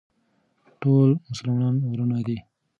ټول مسلمانان وروڼه دي.